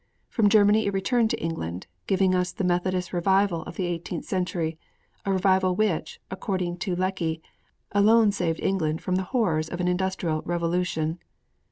From Germany it returned to England, giving us the Methodist Revival of the eighteenth century, a revival which, according to Lecky, alone saved England from the horrors of an industrial revolution.